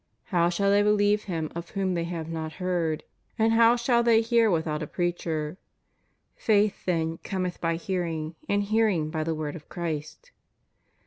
How shall they believe Him of whom they have not heard? and how shall they hear without a preacher? Faith then cometh by hearing, and hearing by the word of Christ.'